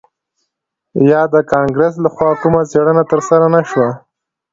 یا د کانګرس لخوا کومه څیړنه ترسره نه شوه